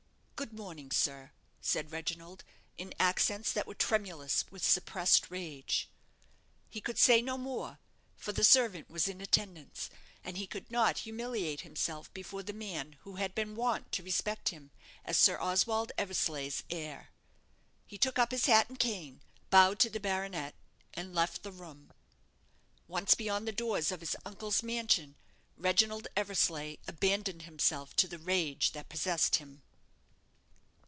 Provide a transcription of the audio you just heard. "Good morning, sir," said Reginald, in accents that were tremulous with suppressed rage. He could say no more, for the servant was in attendance, and he could not humiliate himself before the man who had been wont to respect him as Sir Oswald Eversleigh's heir. He took up his hat and cane, bowed to the baronet, and left the room. Once beyond the doors of his uncle's mansion, Reginald Eversleigh abandoned himself to the rage that possessed him.